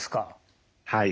はい。